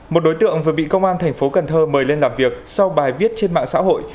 một đối tượng vừa bị công an thành phố cần thơ mời lên làm việc sau bài viết trên mạng xã hội